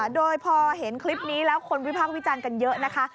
โดยพอเห็นคลิปนี้แล้วคนวิพากษ์วิจารณ์กันเยอะนะคะ